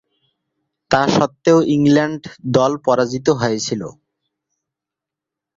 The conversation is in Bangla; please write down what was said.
তাস্বত্ত্বেও ইংল্যান্ড দল পরাজিত হয়েছিল।